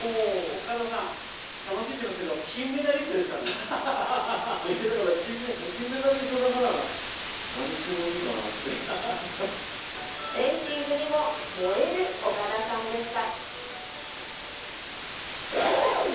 岡田さん、楽しんでますけど、だから、金メダリストだから、フェンシングにも燃える岡田さんでした。